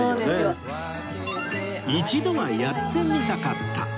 一度はやってみたかった！